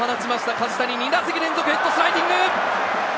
梶谷、２打席連続ヘッドスライディング。